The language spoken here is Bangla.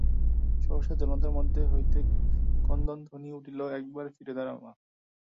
সহসা জনতার মধ্য হইতে ক্রন্দনধ্বনি উঠিল, একবার ফিরে দাঁড়া মা!